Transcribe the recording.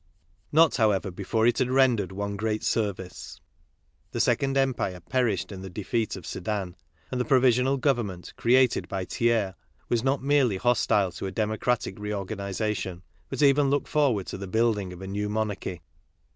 Not, however, before it had rendered one great ser vice. The Second Empire perished in the defeat of Sedan, and the provisional government created by Thiers was not merely hostile to a democratic re organ ization, but even looked forward to the building of a new monarchy.